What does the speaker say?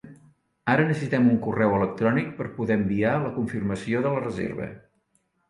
Ara necessitem un correu electrònic per poder enviar la confirmació de la reserva.